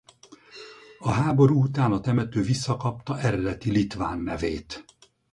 A háború után a temető visszakapta eredeti litván nevét.